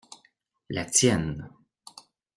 La tienne.